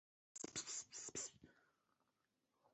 东望跨坐黯影山脉山肩的米那斯伊希尔。